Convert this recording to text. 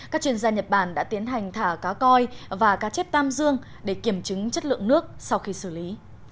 các chuyên gia nhật bản đã tiến hành thả cá coi và cá chép tam dương để kiểm chứng chất lượng nước sau khi xử lý